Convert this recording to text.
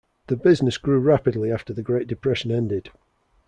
The business grew rapidly after the Great Depression ended.